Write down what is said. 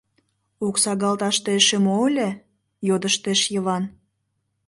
— Оксагалташте эше мо ыле? — йодыштеш Йыван.